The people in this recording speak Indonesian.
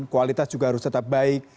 kualitas juga harus tetap baik